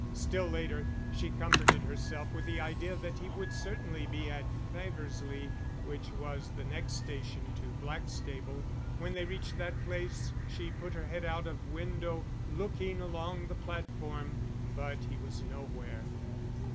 Still later, she comforted herself with the idea that he would certainly be at Faversley, which was the next station to Blackstable. When they reached that place she put her head out of window, looking along the platform but he was nowhere.